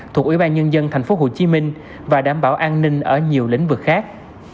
thuộc ủy ban nhân dân tp hcm và đảm bảo an ninh ở nhiều lĩnh vực khác